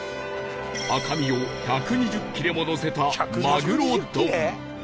赤身を１２０切れものせたマグロ丼